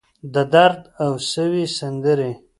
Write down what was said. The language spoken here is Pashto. د درد اوسوي سندرې